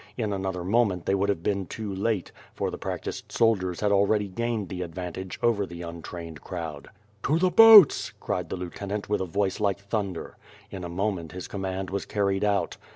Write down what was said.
In another moment they would have been too late, for the practiced sol diers had already gained the advantage over the untrained crowd. "To the boats!" cried the lieutenant with a voice like thunder. In a moment his command was carried out.